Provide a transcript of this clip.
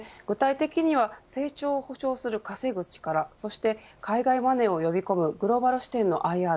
具体的には成長を保証する稼ぐ力、そして海外マネーを呼び込むグローバル視点のＩＲ